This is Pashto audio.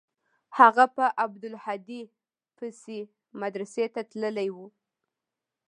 هغه په عبدالهادي پسې مدرسې ته تللى و.